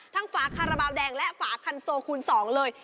ฝาคาราบาลแดงและฝาคันโซคูณ๒เลย